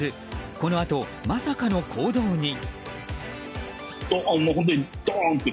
このあと、まさかの行動に。